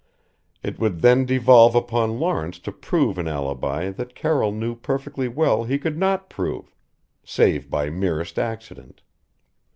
It would then devolve upon Lawrence to prove an alibi that Carroll knew perfectly well he could not prove save by merest accident.